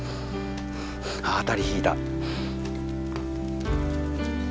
当たり引いた。